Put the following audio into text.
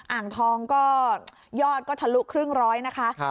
อ่างทองก็ยอดก็ทะลุครึ่งร้อยนะคะ